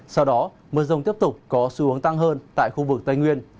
sau đó mưa rông tiếp tục có xu hướng tăng hơn tại khu vực tây nguyên